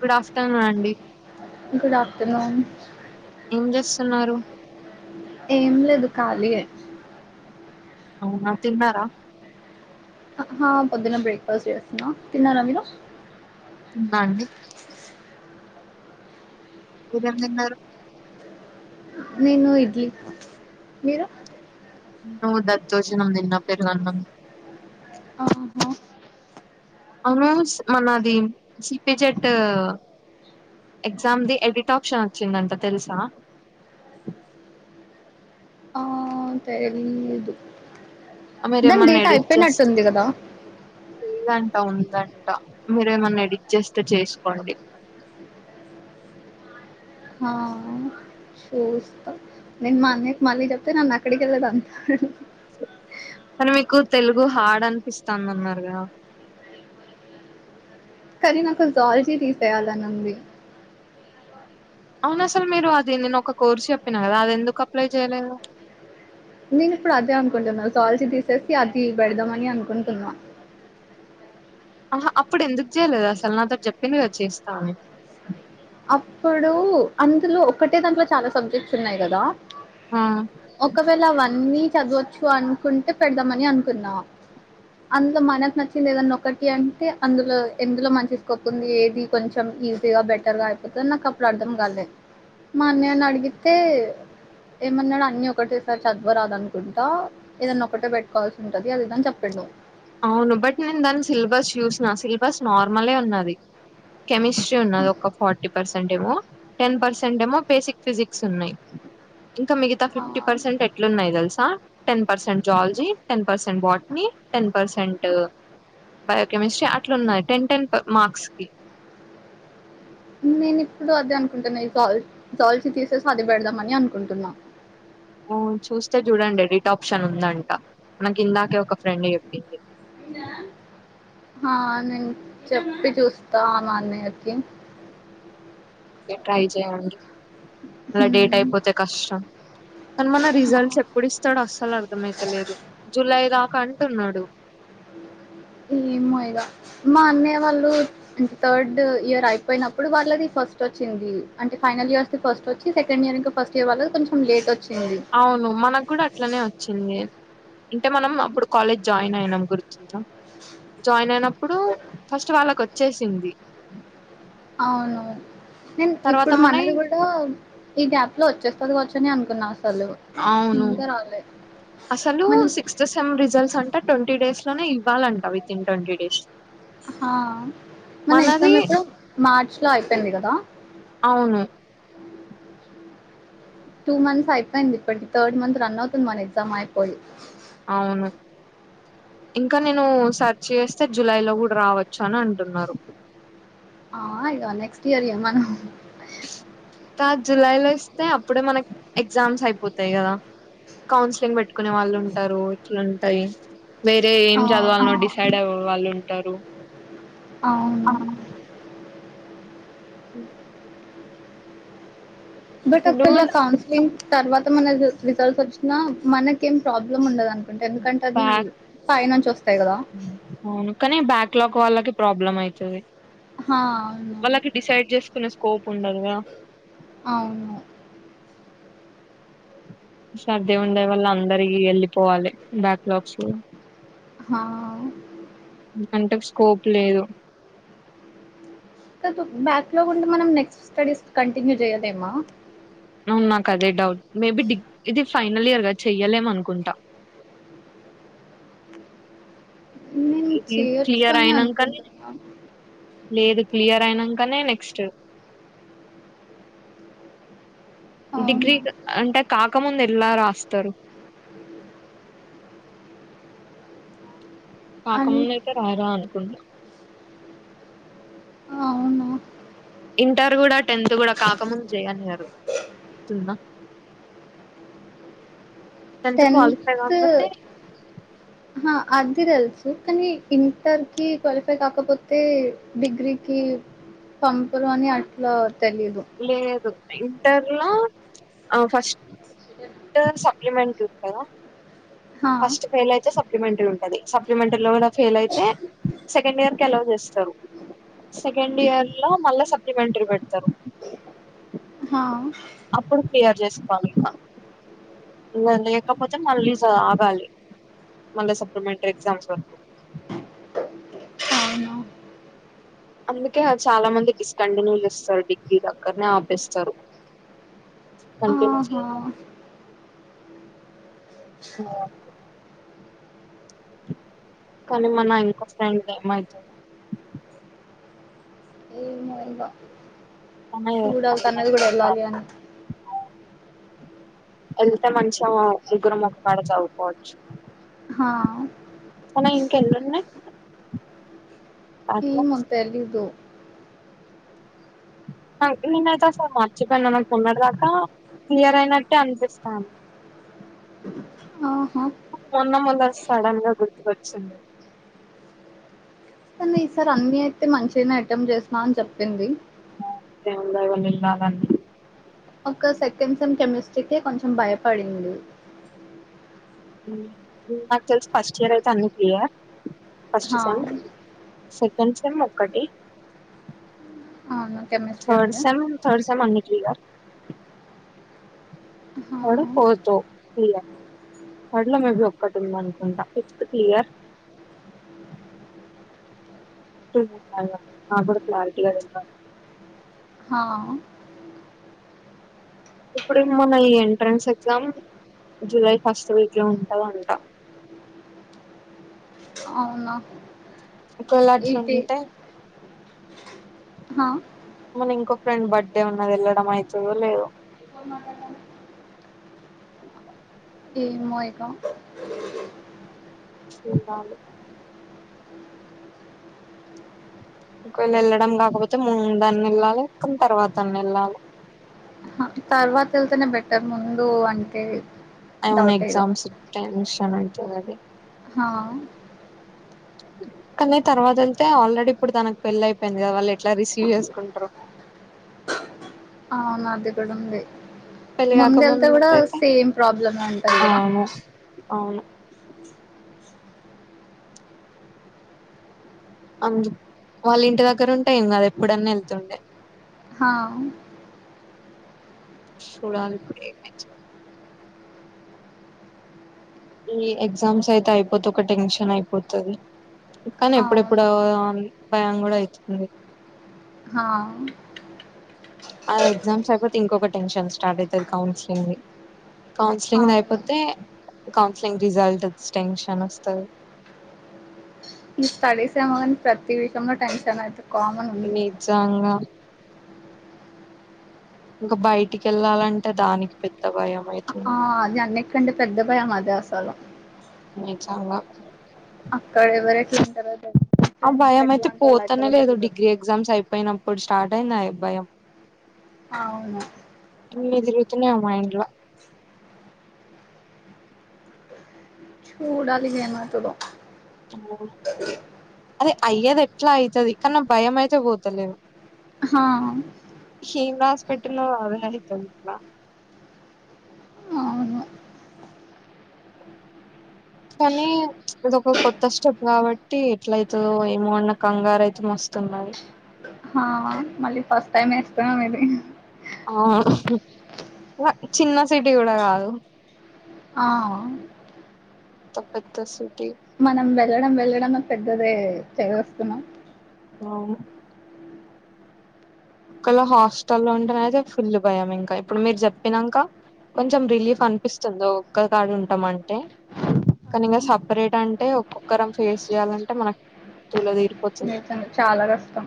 Good afternoon అండి good afternoon ఏం చేస్తన్నారు ఏం లేదు కాళీయే అవునా తిన్నారా ఆ పొద్దున్న బ్రేక్ఫాస్ట్ చేస్తున్నా తిన్నారా మీరు తిన్న అండి ఏమేం తిన్నారు నేను ఇడ్లీ మీరు నేను దదోజనం తిన్న పెరుగన్నం ఆహా అవును మనది సిపి జెట్ ఎగ్జామ్దిి ఎడిట్ ఆప్షన్ వచ్చిందంట తెలుసా ఆ తెలీదు దాని మీరేమన్నా డేటా ఎడిట్ చేస్త అయిపోయినట్టుంది కదా లేదంట ఉందంట మీరేమన్నా ఎడిట్ చేస్తే చేసుకోండి ఆ, చూస్తా నేన్ మా అన్నయకి మల్లి చెప్తే నన్న అక్కడికెళ్లాడు అంట కానీ మీకు తెలుగు హార్డ్ అనిపిస్తది అన్నారుగా కానీ నాకు జోలజీ తీసేయాలని ఉంది అవును అసలు మీరు అది నేను ఒక కోర్సు చెప్పినా కదా అది ఎందుకు అప్లై చేయలేదు నేను ఇప్పుడు అదే అనుకుంటున్నా సల్చీ తీసేసి అది పెడదామని అనుకుంటున్నా ఆహా అప్పుడు ఎందుకు చేయలేదు అసలు నాతో చెప్పింది కదా చేస్తాని అప్పుడు అందులో ఒకటే దాంట్లో చాలా సబ్జెక్ట్స్ ఉన్నాయి కదా ఆ. ఒకవేళ వన్ వీక్ చదవచ్చు అనుకుంటే పెడదామని అనుకున్నాం అందులో మనకు నచ్చింది ఏదన్నా ఒకటి అంటే అందులో ఎందులో మంచి స్కోప్ ఉంది ఏది కొంచెం ఈజీగా బెటర్గా అయిపోతుంది నాకు అప్పుడు అర్థం కలేేదు మా అన్నయ్య నేని అడిగితే ఏమన్నాడు అన్ని ఒకటేసారి చదవరాదు అనుకుంటా ఏదన్నా ఒకటే పెట్టుకోవాల్సి ఉంటది అది ఇదని చెప్పండు అవును బట్ నేను దాన్ని సిలబస్ చూసిన సిలబస్ నార్మలే ఉన్నది కెమిస్ట్రీ ఉన్నది ఒక ఫార్టీ పర్సెంట్ ట్ ఏమో టెన్ పర్సెంట్ ఏమో బేసిక్ ఫిజిక్స్ ఉన్నాయి ఇంకా మిగతా ఆ! ఫిఫ్టీ పర్సంట్ ఎట్లున్నాయి తెలుసా ten percent జల్జీ ten percent వట్ని ten percent biochemistry అట్లున్నాయి టెన్ టెన్ మార్క్స్ కి నేను ఇప్పుడు అదే అనుకుంటున్నా ఈ జల్ జాల్చి తీసేసి అది పెడదామని అనుకుంటున్నా అబ్ చూస్తే చూడండి ఎడిట్ ఆప్షన్ ఉందంట మనకి ఇందాకే ఒక ఫ్రెండ్ చెప్పింది ఉందా ఆ నేను చెప్పి చూస్తా ఆ మా అన్నయ్యకి ట్రై చేయండి ఇంకా డేట్ హ్మ్. అయిపోతే కష్టం కానీ మన రిజల్ట్స్ ఎప్పుడు ఇస్తాడో అసలు అర్థ అయితలేదు జూలై డా కా అంటున్నాడు ఏమోగా మా అన్నయ్య వాళ్ళు అంటే థర్డ్ ఇయర్ అయిపోయినప్పుడు వాళ్ళది ఫస్ట్ వచ్చంది అంటే ఫైనల్ ఇర్స్స్త ఫస్ వచ్చి సెకండ్ ఇయర్ ఇం ఫస్ట్ ఇయర్ వాల్ల కొంచం లేట్ వచ్చ అవును మనకు కూడా అట్లనే వచ్చింది అంటే మనం అప్పుడు కాలేజ్ జాయిన్ అయినాం గుర్తుంద జాయిన్ అయిన ఇప్పుడు ఫస్ట్ వాళ్ళకు వచ్చేసింది అవును అండ్ తర్వాత ఇప్పుడు మనయి మనది కూడా ఈ గ్యాప్ లో వచ్చేస్తుందివచ్చు అనుకున్నా అసలు అవును ఇంకా రాలే అసలు మనం సిక్స్త్ సెన్ రిజల్ట్స్ అంట ట్వంటీ డేస్ లోనే ఇవ్వాలంట వితిన్ ట్వంటీ డేస్ ఆ మన మనది ఎక్సమ్ ఎప్పుడు మార్చ్ లో అయిపోయింది కదా అవును టూ మంత్స్ అయిపోయింది ఇప్పటి థర్డ్ మంత్ రన్ అవుతుంది మన ఎగ్జామ్ అయిపోయి అవును ఇంకా నేను సర్చ్ చేస్తే జులై లో కూడా రావచ్చు అని అంటున్నారు ఆ ఇ నెక్స్ట్ ఇయర్య మన కా జులై లో ఇస్తే అప్పుడే మనకి ఎగ్జామ్స్ అయిపోతాయి కదా కౌన్సిలింగ్ పెట్టుకునే వాళ్ళు ఉంటారు ఇట్లాంటాయి వేరే ఏం అవును చదవాలను డిసైడ్ అయ వాళ్ళు ఉంటారు అవును ఉ బట్ ఇప్పుడు ఒక్కళ కౌన్సలింగ్ తర్వాత మన రిజల్ట్స్ వచ్చి నా మనకేం ప్రాబ్లం ఉండదు అనుకుంట ఎందుకంటే అది బ్యాక్ పైైనుంచి వస్ అవును కానీ బ్యాక్ లాక్ వాళ్ళకి ప్రాబ్లమ్ అవుతది హా, అవును వాళ్ళకి డిసైడ్ చేసుకునే స్కోప్ ఉండదు కదా అవును ష్ దేవుని దయ వల్ల అందరియి వెళ్ళిపోవాలి బ్యాక్ లాగ్స్ హా అంటే స్కోప్ లేదు కాదు బ్యాక్లాగ్ ఉంటే మనం నెక్స్ట్ స్టడీస్ కంటిన్యూ చేయలేమా అవును నాక్ అదే డౌట్ మేబి డిగ్ ఇది ఫైనల్ ఇయర్ గా చెయ్యలేమనుకుంటా నేను ఇది చేయొచ్చు క్లియర్ అని అయినాంకనే అనుకుంటున్నా లేదు క్లియర్ అయినంకనే నెక్స్ట్ డిగ్రీ అవును అంటే కాకముందే ఎల్లా రాస్తారు అన్ కాకముందైతే రాయ రాదనుకుంటా అవునా ఇంటర్ కూడా టెన్త్ కూడా కాకముందు చేయనియారు గుర్తుందా టన్త్ క్వాలిఫై కాకపోతే అహ అది తెలుసు కానీ ఇంటర్కిి క్వాలిఫై కాకపోతే డిగ్రీకి పంపారు అని అట్లా తెలీదు లేదు ఆ ఇంటర్ లో ఆ ఫస్ట్ సప్లిమెంటరీ ఉంటదా హా. ఫస్ట్ ఫెయిల్ అయితే సప్లిమెంటరీ ఉంటది టది సప్లిమెంటరీ లో కూడా ఫెయిల్ అయితే సెకండ్ ఇయర్ కి అలో చేస్తారు సెకండ్ ఇయర్ లో మళ్ళా సప్లిమెంటరీ పెడతారు హా ఇప్పుడు క్లియర్ చేసుకోవాలి మనం ఇగ లేకపోతే మళ్ళీ జ్ ఆగాలి మళ్ళి సప్లిమెంటరీ ఎక్జామ్స్ వరకు అవునా అందుకే చాలా మంది డిస్కంటిన్యూ చేస్తారు డిగ్రీ ఇగ అక్కన్నే ఆపేస్తారు కంటిన్యూ ఆహా చేయాలి అ కానీ మ నా ఇంకా ఫ్రెండ్ ఏమైతదో తనే చూడాలీ తనది అలానే కూడా ఎల్లాలి ఉండాలి. అని ఏళ్ళితే మంచిగ ముగ్గురం ఒక్కకాడ చదువుకోవచ్చు హా తనయి ఇంకేంనున్నాయి ఏమో తెలిదు నేనైతే అసలు మర్చిపోయినా నాకు మొ న్నటి దాకా క్లియర్ అయినట్టే అనిపిస్తాన్ ఆహా మొన్న మళ్ళీ సడన్ గా గుర్తుకొచ్చింది ఈ సార్ అన్ని అయితే మంచినే అటెంట్ చేసిన అని చెప్పింది దేవుని దయవల్ల ఎల్లలన్ని ఒక సెకండ్ సేమ్ కెమిస్ట్రీకే కొంచెం భయపడింది నాకు తెలిసి ఫస్ట్ ఇయర్ అయితే అన్ని క్లియర్ ఫస్ట్ హా సెమ్ సెకండ్ సెమ్ ఒక్కటి అవును కెమిస్ట్రీ థాడ్ ఉండే సెమ్ థర్డ్ సెమ్ అన్ని క్లియ్యర్ హా థర్డ్ ఫోర్త్ క్లియ్యర్ థడ్ లొ మేబీ ఒక్కటుందన్కుంటా ఫిఫ్త్ క్లియ్యర్ [unintelligible] నా గ్గూడా క్లారిటీ దెల్వద్ హా ఇప్పుడు మన ఈ entrance exam July first week లొ ఉంటదంట ఔన ఒక్వేల అట్లుంటె మ మన ఇంకొ ఫ్రెండ్ బడ్డే ఉన్నది యెళ్ళడమైతుదొ లేదొ ఏమొ ఇక చూద్దాంలె ఒక్వేల యెళ్ళడం గాకపోతే ముందన్నెళ్ళాలె కన్ తర్వాతన్నెళ్ళాలె తర్వాతెళ్తేనె బెటర్ ముందు అంటే డౌటే ఇగ ఔనెగ్జామ్స్ టెన్షనైతుందది హా కానీ తర్వాతెళ్తే ఆల్రెడిప్పుడు తనక్ పెళ్లైపొయ్ంది గద వాళ్ళెట్ల రిసీవ్ జేస్కుంట్రొ ఔనదికూడుంది పెళ్లి ముందెళ్తే కాకముందు గుడా అయితే సేమ్ ప్రాబ్లమే ఉంటది గద ఔను అందు వాళ్ళింటి దగ్గరుంటె ఏం గాదెప్పుడన్నెళ్తుండే హా చూడాలిప్పుడు [unintelligible] ఈ ఎగ్జామ్సైతె ఐపోతె ఒక టెన్షనైపోతది కాని అవును ఎప్పుడెప్పుడా అని భయం గుడైతుంది హా ఆ ఎగ్జామ్సైపొతే ఇంకొక టెన్షన్ స్టార్టైతది కౌన్స్లింగ్ది అవును కౌన్సిలింగ్దైపొతే కౌన్స్లింగ్ రిజల్ట్ద్ స్టెన్షనొస్తది [unintelligible] సాన్ ప్రత్తి విషము టెన్షనైతు నిజంగ ఇంక బైటికెళ్ళాలంటే దాన్కి పెద్ద భయమైతుంది ఆ అది అన్నిట్ కంటె పెద్ద భయమది అసలు నిజంగ అక్కడెవరట్లుంటరో తెలీద్ అ భయమైతె పోతనొ లేదొ డిగ్రీ ఎగ్జామ్సైపొయ్నమ్ ఇప్పుడ్ స్టార్టైంది అయ భయం ఔను [unintelligible] దిరుగుతున్నయ్ మా ఇంట్లొ చూడాలి జనాతురొ ఓ అదె అయ్యేదెట్ల అయ్తది కాన్ న భయమైతె పోతలేదు హా హీం రాసి పెటల్ అవనతుందిట్లా అవును కానీ ఇదొక కొత్త స్టెప్ కాబట్టి ఎట్ల అయితుందో ఏమోన్న కంగారు అయితే మస్త ఉన్నది హా మళ్ళీ ఫస్ట్ టైమ్ వేస్తున్నాం ఇది ఆ చిన్న సిటీ కూడా కాదు ఆ పెద్ద పెద్ద సిటీ మనం వెళ్ళడం వెళ్లడం పెద్దదే చదిస్తున్నాం అవునూ ఒక్కళ హాస్టల్ ఉంటున అదతే ఫుల్ భయం ఇంకా ఇప్పుడు మీరు చెప్పినాక కొంచెం రిలీఫ్ అనిపిస్తుందో ఒక్కదాని ఉంటాం అంటే కానీ ఇంకా సపరేట్ అంటే ఒక్కొక్కరం ఫేస్ చేయాలంటే మనకు దుల్ల తిరిపోతది చాలా కష్టం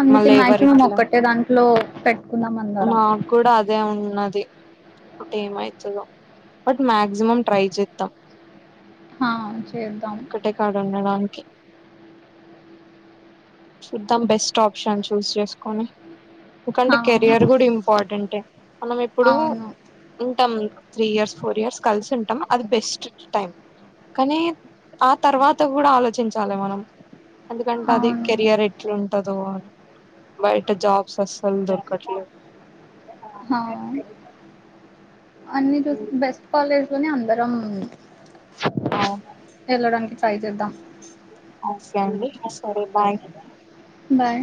అందుకే మళ్ళ మాక్సిమం ఎవరిట్లా ఒక్కటే దాంట్లో పె మాకు కూడా అదే ఉన్నది అ ఏమవుతుందో బట్ మక్సిమమ్ ట్రై చేద్దాం హా, చేద్దాం ఒక్కటేకాడ ఉండడానికి చూద్దాం బెస్ట్ ఆప్షన్ చూస్ చేసుకుని ఎందుకంటే హా, కెరియర్ కూడా ఇంపార్టెంట్ మనం ఇప్పుడు అవును ఉంటాం త్రీ ఇయర్స్ ఫోర్ ఇయర్స్ కలిసి ఉంటాం అది బెస్ట్ టైం కానీ ఆ తర్వాత కూడా ఆలోచించాలి మనం ఎందుకంటే అది అవును కెరియర్ ఎట్లాంటదో అని బయట జాబ్స్ అసలు దొకు రకట్లే హా అన్ని చూసి బెస్ట్ కాలేజ్ లోని అందరం అవును వెళ్ళడానికి ట్రై చేద్దాం ఓకే అండి సరే బాయ్ బయ్